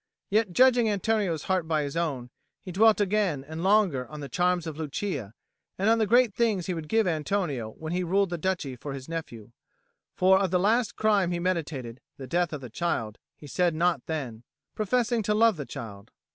Yet, judging Antonio's heart by his own, he dwelt again and longer on the charms of Lucia, and on the great things he would give Antonio when he ruled the Duchy for his nephew; for of the last crime he meditated, the death of the child, he said naught then, professing to love the child.